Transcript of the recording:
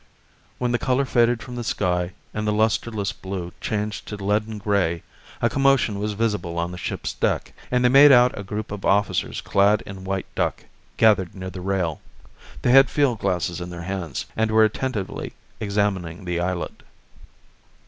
When the color faded from the sky and lustreless blue changed to leaden gray a commotion was visible on the ship's deck, and they made out a group of officers clad in white duck, gathered near the rail. They had field glasses in their hands and were attentively examining the islet.